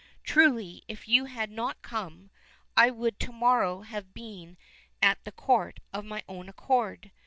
Truly, if you had not come, I would to morrow have been at the court of my own accord.